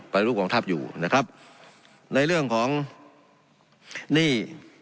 ปฏิรูปกองทัพอยู่นะครับในเรื่องของหนี้